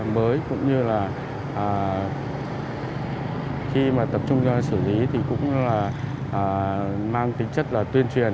mới cũng như là khi mà tập trung xử lý thì cũng là mang tính chất là tuyên truyền